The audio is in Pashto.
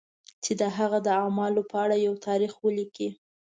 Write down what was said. چې د هغه د اعمالو په اړه یو تاریخ ولیکي.